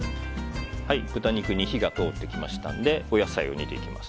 豚肉に火が通ってきましたのでお野菜を煮ていきます。